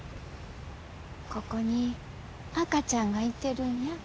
ここに赤ちゃんがいてるんや。